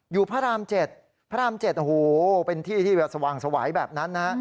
อยู่พระรามเจ็ดพระรามเจ็ดโอ้โหเป็นที่ที่สว่างสวัยแบบนั้นนะ